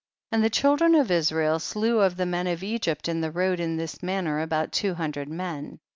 48. And the children of Israel slew of the men of Egypt in the road in this manner, about two hundred men.